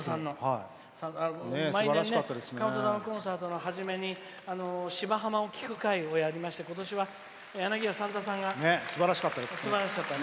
毎年ねカウントダウンコンサートの初めに「芝浜」を聴く会をやりまして柳家三三さんがすばらしかったね。